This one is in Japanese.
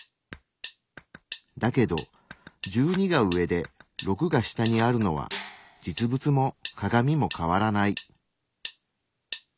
だけど１２が上で６が下にあるのは実物も鏡も変わらない。